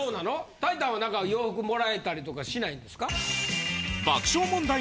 タイタンは何か洋服もらえたりとかしないんですか？